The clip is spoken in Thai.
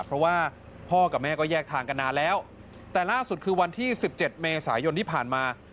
เพราะว่าพ่อกับแม่ก็แยกทางกันนานแล้วแต่ล่าสุดคือวันที่๑๗เมษายนที่ผ่านมา